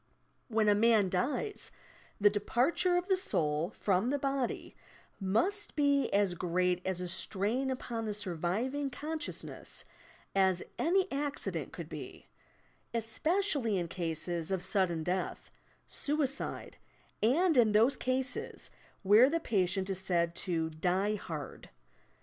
When a man dies, the departure of the soul from the body must be as great a strain upon the surviving con sciousness as any accident could be, especially in cases of suddeu death, suicide and iu those cases where the patient is said to "die hard."